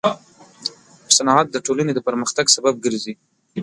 صنعت د ټولنې د پرمختګ سبب ګرځي.